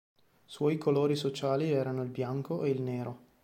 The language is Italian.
Suoi colori sociali erano il bianco e il nero.